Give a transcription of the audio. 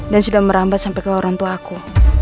dan sudah merambat sampai ke orangtuaku